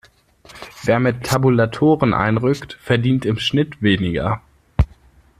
Wer mit Tabulatoren einrückt, verdient im Schnitt weniger.